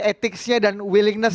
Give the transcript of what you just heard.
etiknya dan keinginannya